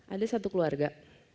ada satu keluarga